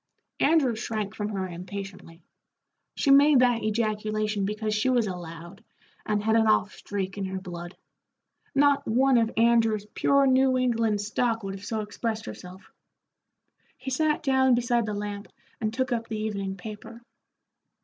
Andrew shrank from her impatiently. She made that ejaculation because she was a Loud, and had an off streak in her blood. Not one of Andrew's pure New England stock would have so expressed herself. He sat down beside the lamp and took up the evening paper.